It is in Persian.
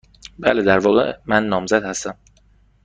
بله. در واقع، من نامزد هستم.